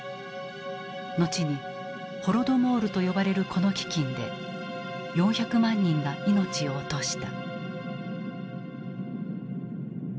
後に「ホロドモール」と呼ばれるこの飢きんで４００万人が命を落とした。